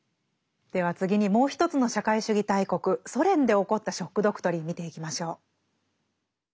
では次にもう一つの社会主義大国ソ連で起こった「ショック・ドクトリン」見ていきましょう。